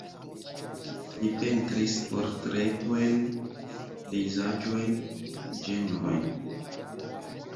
Li pentris portretojn, pejzaĝojn, ĝenrojn.